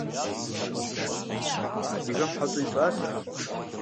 Адыгэм хьэщӀэ и щӀасэщ.